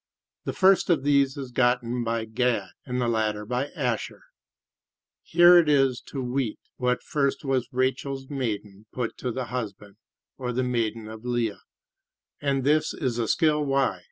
The first of these is gotten by Gad and the latter by Asher. Here it is to wete that first was Rachel's maiden put to the husband or the maiden of Leah; and this is the skill why.